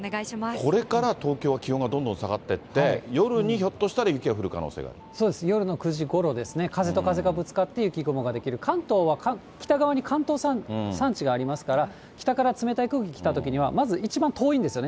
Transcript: これから東京、どんどん気温が下がっていって、夜にひょっとしたら雪が降る可能そうですね、夜の９時ごろ、風と風がぶつかって雪雲が出来る、関東は北側に関東山地がありますから、北から冷たい空気来たときには、まず一番遠いんですよね。